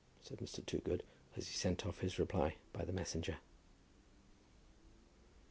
said Mr. Toogood, as he sent off his reply by the messenger.